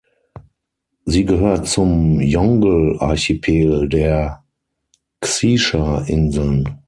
Sie gehört zum Yongle-Archipel der Xisha-Inseln.